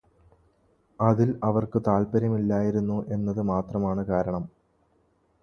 അതില് അവര്ക്കു താത്പര്യമില്ലായിരുന്നു എന്നതു മാത്രമാണ് കാരണം.